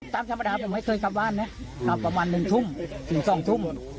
ตามธรรมดาผมไม่เคยกลับบ้านนะตอนประมาณ๑ทุ่มถึง๒ทุ่ม